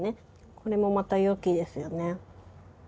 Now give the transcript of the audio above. これもまた良きですよね。